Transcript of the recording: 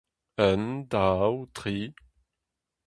Un, daou, tri.